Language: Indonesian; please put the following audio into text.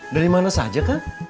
dari mana saja kak